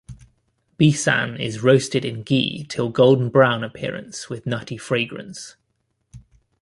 Besan is roasted in ghee till golden brown appearance with nutty fragrance.